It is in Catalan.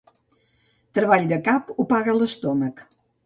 Treball de cap, ho paga l'estómac.